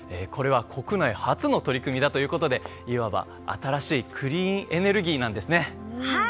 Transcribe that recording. これは国内初の取り組みだということでいわば新しいクリーンエネルギーなんですね。